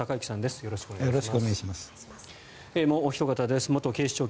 よろしくお願いします。